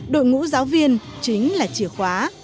đội ngũ giáo viên chính là chìa khóa